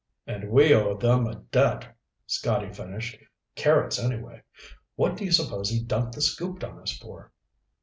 "And we owe them a debt," Scotty finished. "Carrots, anyway. What do you suppose he dumped the scoop on us for?"